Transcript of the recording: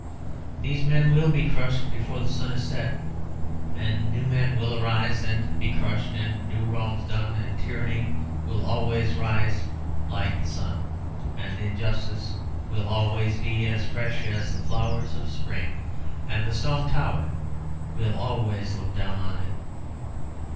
These men will be crushed before the sun is set; and new men will arise and be crushed, and new wrongs done, and tyranny will always rise again like the sun, and injustice will always be as fresh as the flowers of spring. And the stone tower will always look down on it.